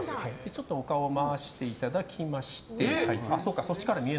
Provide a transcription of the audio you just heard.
ちょっとお顔を回していただいて。